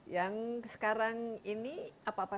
yang sekarang ini apa apa saja yang sudah diperhatikan